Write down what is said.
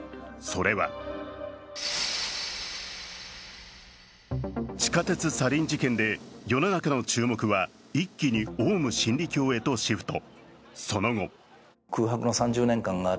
それは地下鉄サリン事件で世の中の注目は一気にオウム真理教へとシフト。